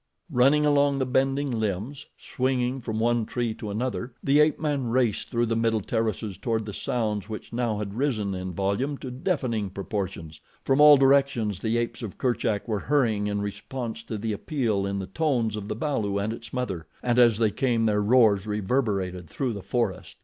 Running along bending limbs, swinging from one tree to another, the ape man raced through the middle terraces toward the sounds which now had risen in volume to deafening proportions. From all directions the apes of Kerchak were hurrying in response to the appeal in the tones of the balu and its mother, and as they came, their roars reverberated through the forest.